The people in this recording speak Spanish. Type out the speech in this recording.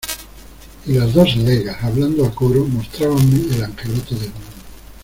y las dos legas, hablando a coro , mostrábanme el angelote desnudo